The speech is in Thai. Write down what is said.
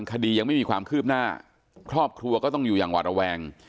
คดียังไม่มีความคืบหน้าครอบครัวก็ต้องอยู่อย่างหวาดระแวง